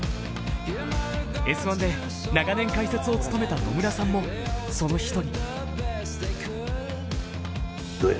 「Ｓ☆１」で長年解説を務めた野村さんもその１人。